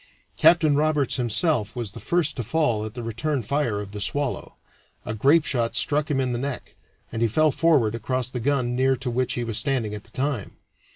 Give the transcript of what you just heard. Captain Roberts himself was the first to fall at the return fire of the Swallow; a grapeshot struck him in the neck, and he fell forward across the gun near to which he was standing at the time.